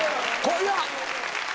いや。